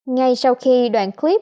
ngay sau khi đoạn clip